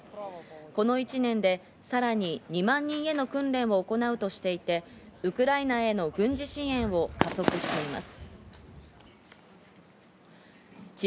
この１年でさらに２万人への訓練を行うとしていて、ウクライナへの軍事支援を加速しています。